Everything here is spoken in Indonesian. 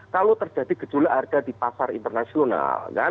kalau terjadi gejolak harga di pasar internasional